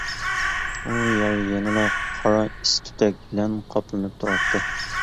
ئۇ يەر يەنىلا قارا ئىس تۈتەك بىلەن قاپلىنىپ تۇراتتى.